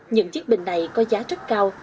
những chiếc bình này có giá rất cao